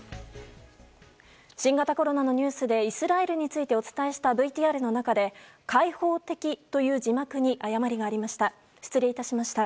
新型コロナのニュースでイスラエルについてお伝えしたＶＴＲの中で開放的という字幕に誤りがありました。